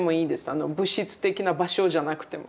物質的な場所じゃなくても。